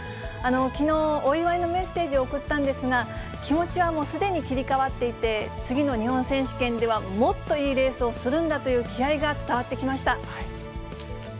きのう、お祝いのメッセージを送ったんですが、気持ちはもうすでに切り替わっていて、次の日本選手権では、もっといいレースをするんだという気合いが伝わってきました。